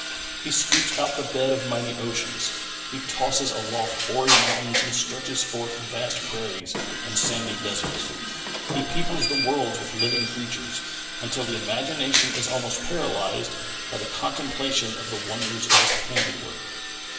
He scoops out the bed of mighty oceans. He tosses aloft hoary mountains and stretches forth vast prairies and sandy deserts. He peoples the worlds with living creatures, until the imagination is almost paralysed by the contemplation of the wonders of His handiwork.